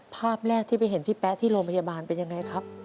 ภาพแรกที่ไปเห็นพี่แป๊ะที่โรงพยาบาลเป็นยังไงครับ